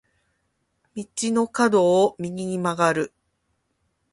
道の角を右に曲がる。